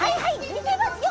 みてますよ